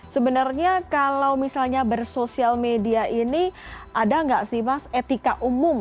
sebenarnya kalau misalnya bersosial media ini ada nggak sih mas etika umum